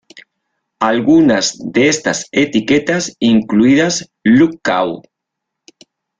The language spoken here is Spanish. Algunas de estas etiquetas incluidas Lookout!